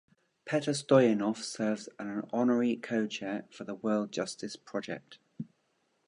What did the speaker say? Petar Stoyanov serves as an Honorary Co-Chair for the World Justice Project.